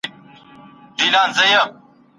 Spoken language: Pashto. د څېړني کتابونه په ډېرو ژبو کي شتون لري.